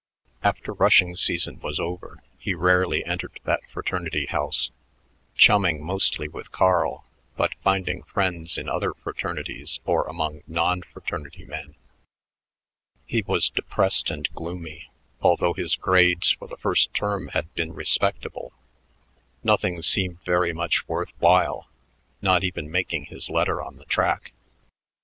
After rushing season was over, he rarely entered that fraternity house, chumming mostly with Carl, but finding friends in other fraternities or among non fraternity men. He was depressed and gloomy, although his grades for the first term had been respectable. Nothing seemed very much worth while, not even making his letter on the track.